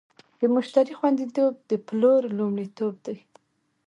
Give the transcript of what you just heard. د مشتری خوندیتوب د پلور لومړیتوب دی.